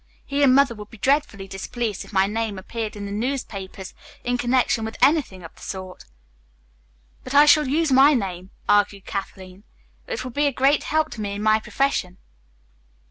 He and Mother would be dreadfully displeased if my name appeared in the newspapers in connection with anything of that sort." "But I shall use my name," argued Kathleen. "It will be a great help to me in my profession."